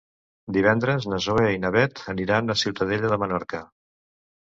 Divendres na Zoè i na Bet aniran a Ciutadella de Menorca.